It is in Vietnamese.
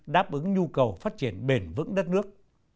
đáp ứng nhu cầu phát triển bền vững đất nước